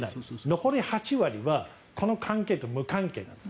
残り８割はこの関係と無関係なんです。